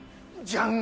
ジャン！